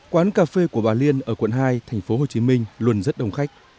quán cà phê của bà liên ở quận hai tp hcm luôn rất đông khách